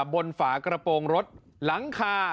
ฝากระโปรงรถหลังคา